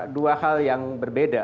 dua hal yang berbeda